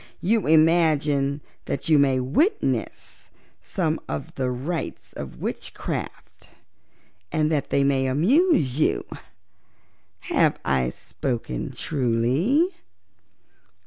You imagine that you may witness some of the rites of witchcraft, and that they may amuse you. Have I spoken truly?"